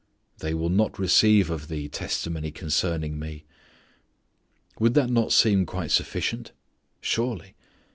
"They will not receive of thee testimony concerning Me." Would that not seem quite sufficient? Surely.